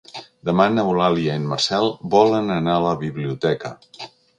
Demà n'Eulàlia i en Marcel volen anar a la biblioteca.